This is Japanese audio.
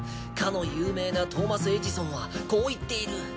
かの有名なトーマス・エジソンはこう言っている。